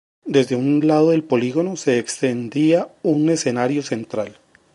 Desde un lado del polígono se extendía un escenario central.